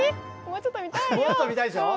もうちょっと見たいよ！